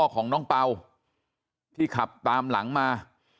ของน้องเป่าที่ขับตามหลังมา